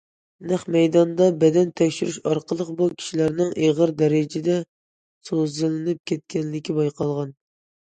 نەق مەيداندا بەدەن تەكشۈرۈش ئارقىلىق، بۇ كىشىلەرنىڭ ئېغىر دەرىجىدە سۇسىزلىنىپ كەتكەنلىكى بايقالغان.